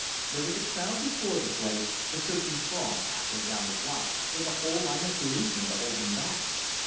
There was a crowd before the place, a surging throng half way down the block, with a whole line of policemen to hold them back.